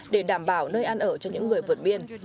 để đảm bảo nơi ăn ở cho những người vượt biên